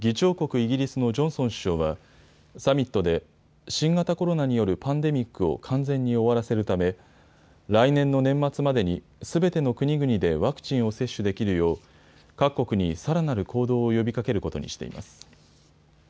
イギリスのジョンソン首相はサミットで新型コロナによるパンデミックを完全に終わらせるため来年の年末までにすべての国々でワクチンを接種できるよう各国にさらなる行動を呼びかけることにしています。